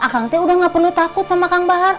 kang t udah nggak perlu takut sama kang bahar